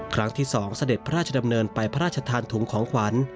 ครั้งที่๒เสด็จพระราชดำเนินไปพระราชทานถุงของขวัญ